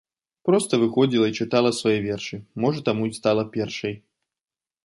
Проста выходзіла і чытала свае вершы, можа таму і стала першай.